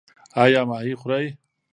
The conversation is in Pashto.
ایا ماهي خورئ؟